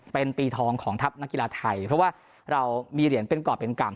เป็นปีทองของทัพนักกีฬาไทยเพราะว่าเรามีเหรียญเป็นกรอบเป็นกรรม